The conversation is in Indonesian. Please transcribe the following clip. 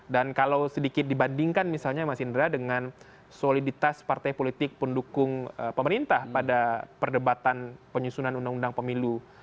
dan kalau sedikit dibandingkan misalnya mas indra dengan soliditas partai politik pendukung pemerintah pada perdebatan penyusunan undang undang pemilu delapan dua ribu dua belas